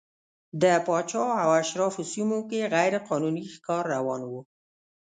د پاچا او اشرافو سیمو کې غیر قانوني ښکار روان و.